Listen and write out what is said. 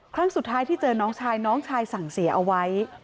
ครั้งสุดท้ายที่เจอน้องชายน้องชายสั่งเสียเอาไว้